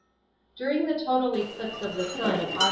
During the total eclipse of the Sun of Aug.